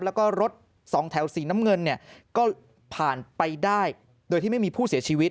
แล้วก็รถสองแถวสีน้ำเงินเนี่ยก็ผ่านไปได้โดยที่ไม่มีผู้เสียชีวิต